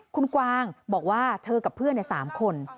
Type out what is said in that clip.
คุณกวางบอกว่าเธอกับเพื่อน๓คน